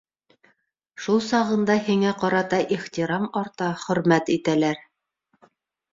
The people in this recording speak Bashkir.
Шул сағында һиңә ҡарата ихтирам арта, хөрмәт итәләр.